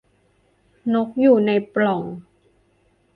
นกอยู่ในปล่อง